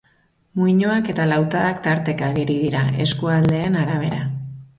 Muinoak eta lautadak tarteka ageri dira, eskualdeen arabera.